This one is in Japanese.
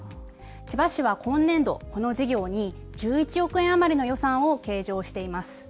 千葉市は今年度この事業に１１億円余りの予算を計上しています。